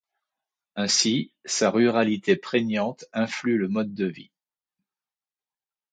Ainsi, sa ruralité prégnante influe le mode de vie.